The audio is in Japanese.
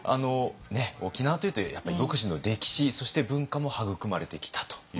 沖縄というとやっぱり独自の歴史そして文化も育まれてきたということですね。